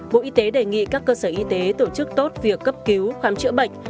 bộ y tế đề nghị các cơ sở y tế tổ chức tốt việc cấp cứu khám chữa bệnh